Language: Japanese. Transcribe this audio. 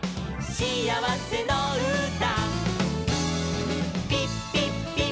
「しあわせのうた」